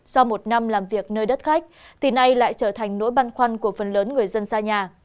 sau một năm làm việc nơi đất khách thì nay lại trở thành nỗi băn khoăn của phần lớn người dân xa nhà